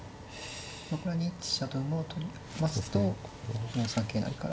これは２一飛車と馬を取りますと４三桂成から。